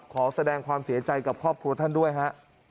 ขอแสดงความเสียใจกับครอบครัวท่านด้วยฮะ